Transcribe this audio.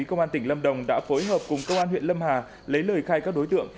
công an tỉnh lâm đồng đã phối hợp cùng công an huyện lâm hà lấy lời khai các đối tượng